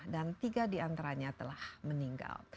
dan tiga diantaranya telah meninggal